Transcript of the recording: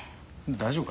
大丈夫か？